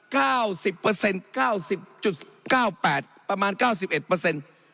เก้าสิบเปอร์เซ็นต์เก้าสิบจุดเก้าแปดประมาณเก้าสิบเอ็ดเปอร์เซ็นต์